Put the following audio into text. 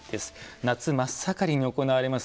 夏真っ盛りに行われます